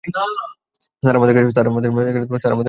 Sir, আমাদের কাছে order নাই।